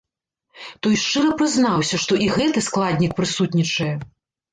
Той шчыра прызнаўся, што і гэты складнік прысутнічае.